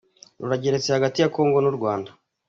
Rurageretse hagati ya congo n’urwanda